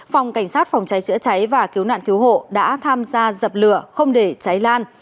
phòng cảnh sát phòng cháy chữa cháy và cứu nạn cứu hộ đã tham gia dập lửa không để cháy lan